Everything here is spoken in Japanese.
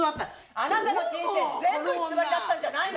あなたの人生全部偽りだったんじゃないの？